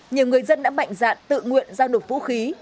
nhiều người dân đã mạnh dạn tự nguyện giao nộp vũ khí